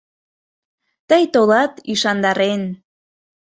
Тый толат, ÿшандарен.